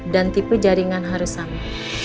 dan tipe jaringan harus sama